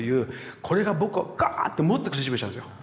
これが僕をガーンともっと苦しめちゃうんですよ。